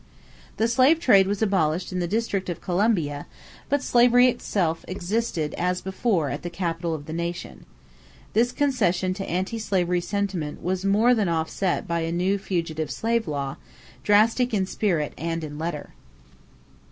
The slave trade was abolished in the District of Columbia, but slavery itself existed as before at the capital of the nation. This concession to anti slavery sentiment was more than offset by a fugitive slave law, drastic in spirit and in letter.